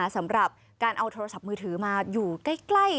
สำหรับการเอาโทรศัพท์มือถือมาอยู่ใกล้